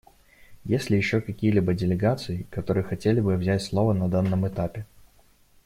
Есть ли еще какие-либо делегации, которые хотели бы взять слово на данном этапе?